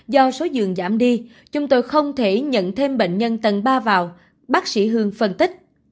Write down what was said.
do số giường giảm đi chúng tôi không thể nhận thêm bệnh nhân tầng ba vào bác sĩ hương phân tích